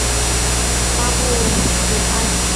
拉布吕埃。